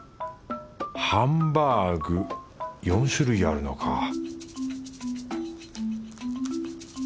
ハンバーグ４種類あるのか